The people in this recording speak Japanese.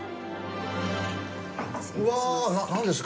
うわ、何ですか？